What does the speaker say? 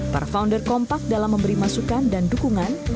para founder kompak dalam memberi masukan dan dukungan